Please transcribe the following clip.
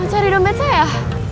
cari dompet saya